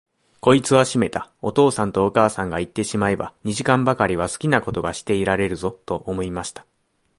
こいつはしめた、お父さんとお母さんがいってしまえば、二時間ばかりは好きなことがしていられるぞ、と思いました。